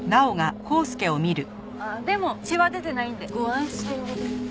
でも血は出てないんでご安心を。